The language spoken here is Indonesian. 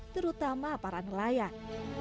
terutama para nelayan